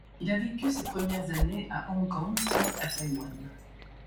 Il a vécu ses premières années à Hong-Kong puis à Taïwan.